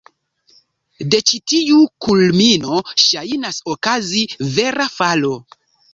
De ĉi tiu kulmino ŝajnas okazi vera falo.